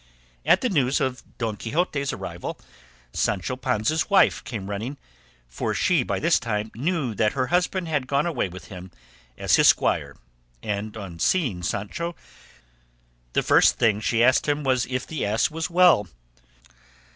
At the news of Don Quixote's arrival Sancho Panza's wife came running, for she by this time knew that her husband had gone away with him as his squire, and on seeing Sancho, the first thing she asked him was if the ass was well.